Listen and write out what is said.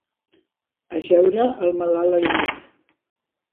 Ajeure el malalt al llit.